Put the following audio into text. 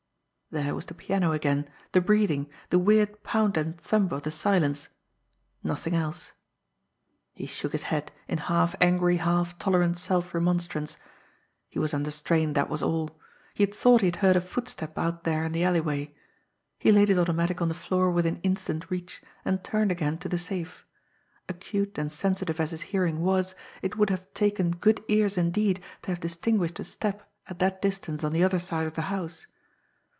There was the piano again, the breathing, the weird pound and thump of the silence nothing else. He shook his head in half angry, half tolerant self remonstrance. He was under strain, that was all he had thought he had heard a footstep out there in the alleyway. He laid his automatic on the floor within instant reach, and turned again to the safe acute and sensitive as his hearing was, it would haw taken good ears indeed to have distinguished a step at that distance on the other side of the house!